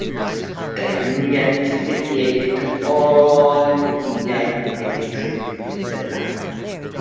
The union is affiliated to the All India United Trade Union Centre.